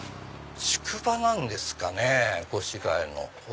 宿場なんですかね越谷の。